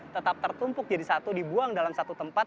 tetap tertumpuk jadi satu dibuang dalam satu tempat